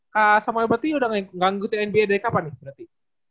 kak samuel berarti udah nganggutin nba dari kapan berarti